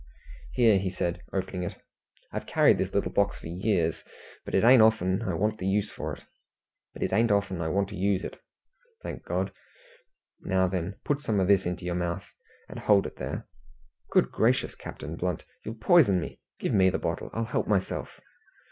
"Here," said he, opening it. "I've carried this little box for years, but it ain't often I want to use it, thank God. Now, then, put some o' this into your mouth, and hold it there." "Good gracious, Captain Blunt, you'll poison me! Give me the bottle; I'll help myself."